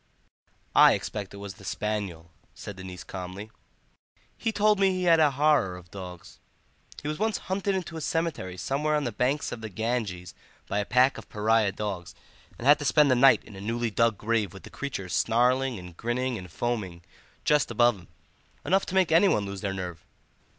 "I expect it was the spaniel," said the niece calmly; "he told me he had a horror of dogs. He was once hunted into a cemetery somewhere on the banks of the Ganges by a pack of pariah dogs, and had to spend the night in a newly dug grave with the creatures snarling and grinning and foaming just above him. Enough to make anyone lose their nerve."